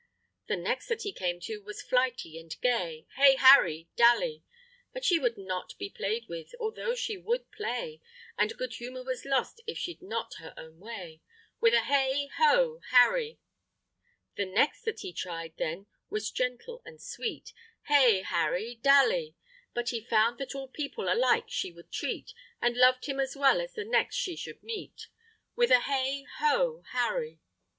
The next that he came to was flighty and gay, Hey, Harry Dally! But she would not be play'd with, although she would play, And good humour was lost if she'd not her own way, With a hey ho, Harry! The next that he tried then was gentle and sweet, Hey, Harry Dally! But he found that all people alike she would treat, And loved him as well as the next she should meet, With a hey ho, Harry!